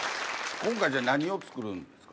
今回じゃあ何を作るんですか？